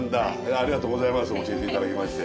ありがとうございます教えて頂きまして。